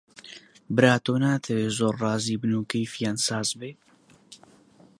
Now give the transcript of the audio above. برا تۆ ناتەوێ زۆر ڕازی بن و کەیفیان ساز بێ؟